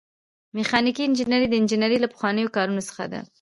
میخانیکي انجنیری د انجنیری له پخوانیو کارونو څخه ده.